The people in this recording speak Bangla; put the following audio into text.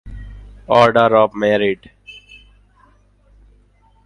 order of merit